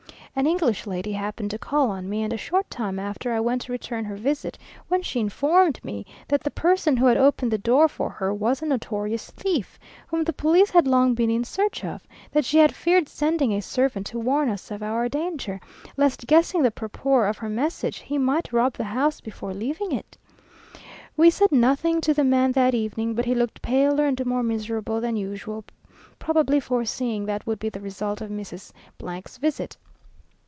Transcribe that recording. An English lady happened to call on me, and a short time after I went to return her visit; when she informed me that the person who had opened the door for her was a notorious thief; whom the police had long been in search of; that she had feared sending a servant to warn us of our danger, lest guessing the purport of her message, he might rob the house before leaving it. We said nothing to the man that evening, but he looked paler and more miserable than usual, probably foreseeing what would be the result of Mrs. 's visit.